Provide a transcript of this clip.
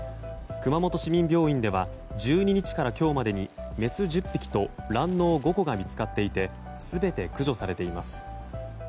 熊本市民病院では１２日から今日までにメス１０匹と卵のう５個が見つかっていて全て駆除されています。